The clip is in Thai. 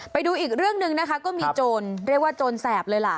ไปดูอีกเรื่องหนึ่งนะคะก็มีโจรเรียกว่าโจรแสบเลยล่ะ